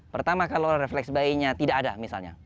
pertama kalau refleksi bayinya tidak ada misalnya